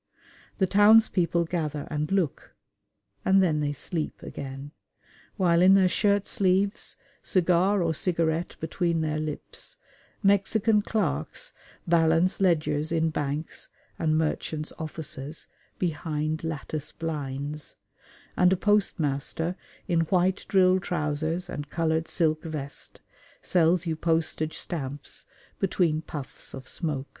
The townspeople gather and look, and then they sleep again; while in their shirt sleeves, cigar or cigarette between their lips, Mexican clerks balance ledgers in banks and merchants' offices behind lattice blinds, and a postmaster in white drill trousers and coloured silk vest sells you postage stamps between puffs of smoke.